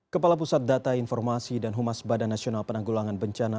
kepala pusat data informasi dan humas badan nasional penanggulangan bencana